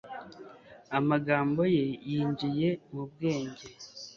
Amagambo ye yinjiye mu bwenge